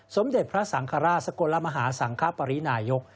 สมเด็จพระสังฆราชสกลมหาสังคปรินายก